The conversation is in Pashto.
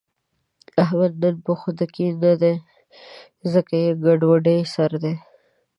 احمد نن په خود کې نه دی، ځکه یې په ګډوډو سر دی.